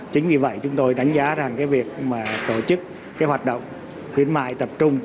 chính vì vậy chúng tôi đánh giá rằng việc tổ chức hoạt động khuyến mại tập trung